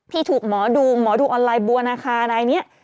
พี่ถูกหมอดูออนไลน์บัวนาคาอันนี้